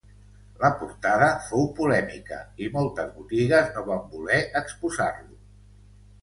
La portada fou polèmica i moltes botigues no van voler exposar-lo.